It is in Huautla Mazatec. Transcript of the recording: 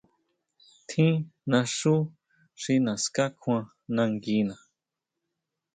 Tjín naxú xi naská kjuan nanguina.